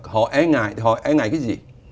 họ e ngại họ e ngại cái gì